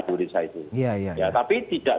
indonesia itu tapi tidak